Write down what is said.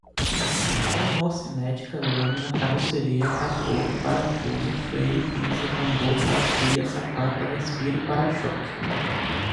homocinética, lâmina, carroceria, capô, parafuso, freio, pinça, tambor, pastilha, sapata, respiro, pára-choque